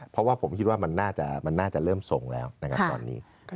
เพราะว่าผมคิดว่ามันน่าจะเริ่มทรงแล้วนะครับตอนนี้